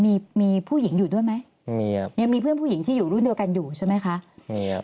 มีมีผู้หญิงอยู่ด้วยไหมมีครับยังมีเพื่อนผู้หญิงที่อยู่รุ่นเดียวกันอยู่ใช่ไหมคะมีครับ